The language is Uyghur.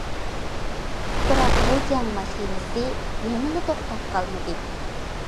بىراق بۇ« جەڭ ماشىنىسى» يەنىلا توختاپ قالمىدى.